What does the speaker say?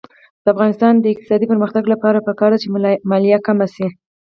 د افغانستان د اقتصادي پرمختګ لپاره پکار ده چې مالیه کمه شي.